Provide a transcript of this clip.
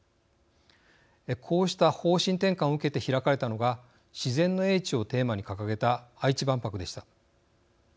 こうした方針転換を受けて開かれたのが自然の叡智をテーマに掲げた愛知万博でした。